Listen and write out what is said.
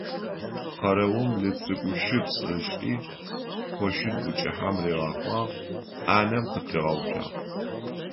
Къэрэум лыцӀыкӀущыпс ышӀи, къошын ӀукӀыхьэм ригъэхъуагъ, Ӏанэм къытригъэуцуагъ.